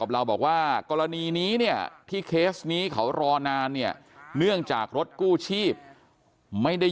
แล้วก็พิกัดง่ายมากขึ้นในการช่วยเหลือ